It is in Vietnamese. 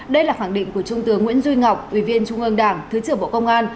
đây là khẳng định của trung tướng nguyễn duy ngọc ủy viên trung ương đảng thứ trưởng bộ công an